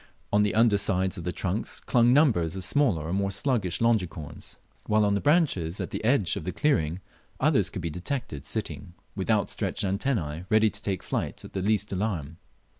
On the under sides of the trunks clung numbers of smaller or more sluggish Longicorns, while on the branches at the edge of the clearing others could be detected sitting with outstretched antenna ready to take flight at the least alarm.